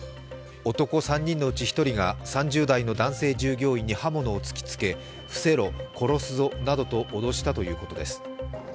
男３人のうち１人が３０代の男性従業員の刃物を突きつけ伏せろ、殺すぞなどと脅したということです。